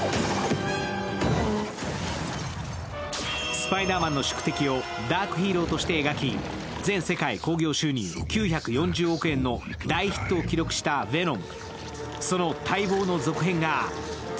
スパイダーマンの宿敵をダークヒーローとして描き全世界興行収入９４０億円の大ヒットを記録した「ヴェノム」。